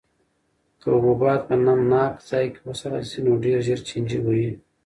که حبوبات په نمناک ځای کې وساتل شي نو ډېر ژر چینجي وهي.